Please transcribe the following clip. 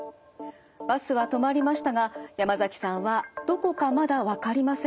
バスは止まりましたが山崎さんはどこかまだわかりません。